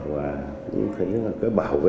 và cũng thấy là cái bảo vệ